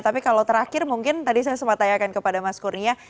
tapi kalau terakhir mungkin tadi saya sempat tanyakan kepada mas kurnia